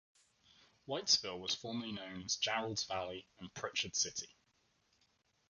Whitesville was formerly known as Jarrold's Valley and Pritchard City.